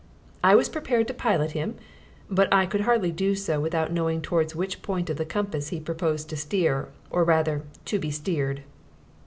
I was prepared to pilot him but I could hardly do so without knowing towards which point of the compass he proposed to steer, or rather, to be steered.